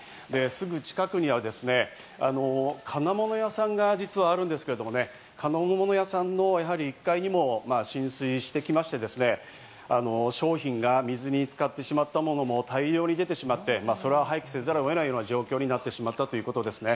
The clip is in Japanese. すぐ近くに金物屋さんが実はあるんですけどね、金物屋さんの一帯も浸水してきまして、商品が水に浸かってしまったものも大量に出てしまって、それは廃棄せざるを得ない状況になってしまったということですね。